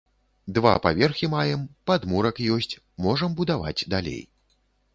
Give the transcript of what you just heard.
Два паверхі маем, падмурак ёсць, можам будаваць далей.